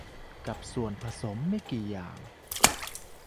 กับส่วนผสมไม่กี่อย่าง